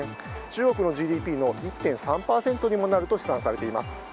中国のＧＤＰの１．３％にもなると試算されています。